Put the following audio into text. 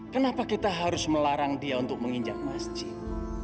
kenapa kita harus melarang dia untuk menginjak masjid